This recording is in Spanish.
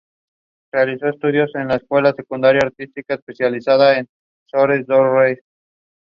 Realizó estudios en la Escuela Secundaria Artística Especializada de Soares dos Reis.